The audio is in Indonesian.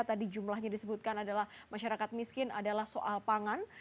tadi jumlahnya disebutkan adalah masyarakat miskin adalah soal pangan